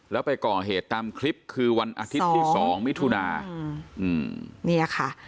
แล้วไปก่อเหตุตามคลิปคือวันอาทิตย์ที่สองมิถุนาอืมเนี่ยค่ะ